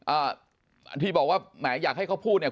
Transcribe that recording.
อันที่บอกว่าแหมอยากให้เขาพูดเนี่ย